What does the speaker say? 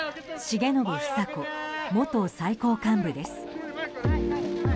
重信房子元最高幹部です。